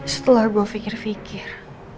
setelah gue pikir pikir